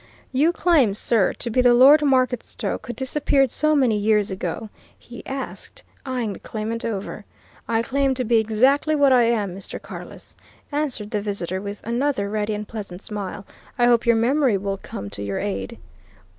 "You claim, sir, to be the Lord Marketstoke who disappeared so many years ago?" he asked, eyeing the claimant over. "I claim to be exactly what I am, Mr. Carless," answered the visitor with another ready and pleasant smile. "I hope your memory will come to your aid."